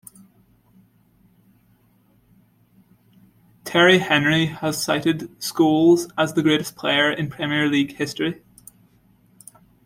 Thierry Henry has cited Scholes as the greatest player in Premier League history.